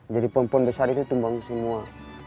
jadi pom pom besar itu tumbang semua